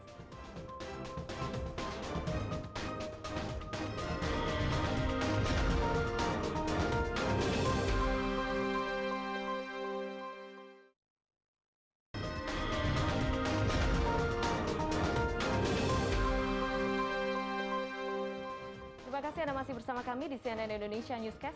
terima kasih anda masih bersama kami di cnn indonesia newscast